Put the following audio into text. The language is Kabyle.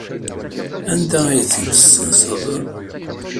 Anda ay tent-tessenzeḍ?